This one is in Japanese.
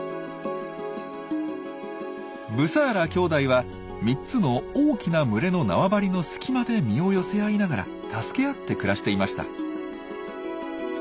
ブサーラ兄弟は３つの大きな群れの縄張りの隙間で身を寄せ合いながら助け合って暮らしていました。